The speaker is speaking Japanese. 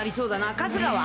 春日は？